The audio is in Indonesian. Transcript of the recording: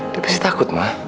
dia pasti takut ma